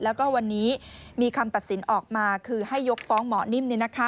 แล้วก็วันนี้มีคำตัดสินออกมาคือให้ยกฟ้องหมอนิ่ม